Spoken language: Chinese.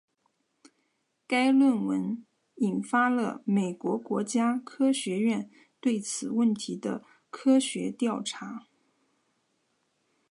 该论文引发了美国国家科学院对此问题的科学调查。